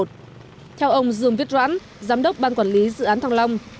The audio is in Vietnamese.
theo ông dương viết rãn giám đốc ban quản lý dự án thăng long